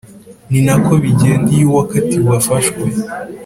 Ni Nako Bigenda Iyo Uwakatiwe Afashwe